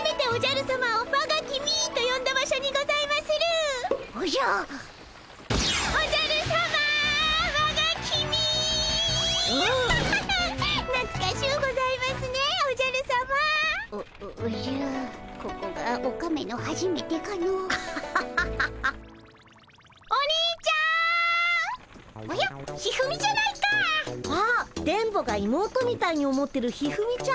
あっ電ボが妹みたいに思ってる一二三ちゃん。